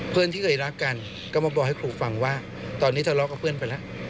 เพื่อนที่เคยรักกันก็มาบอกให้ครูฟังว่าตอนนี้ทะเลาะกับเพื่อนไปแล้ว